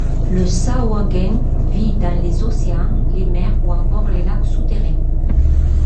Le sahuagin vit dans les océans, les mers ou encore les lacs souterrains.